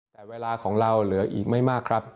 แต่เวลาของเราเหลืออีกไม่มากครับ